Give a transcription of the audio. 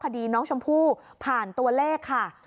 คดีน้องชมพู่ผ่านตัวเลขค่ะ